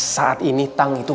saat ini tang itu